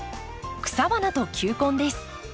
「草花と球根」です。